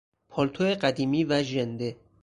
پالتو قدیمی و ژنده